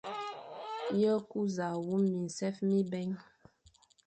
Ye ku za wum minsef mibè.